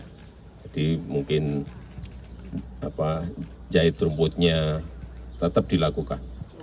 jadi mungkin jahit rumputnya tetap dilakukan